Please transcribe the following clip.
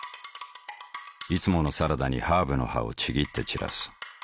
いつものサラダにハーブの葉をちぎって散らす。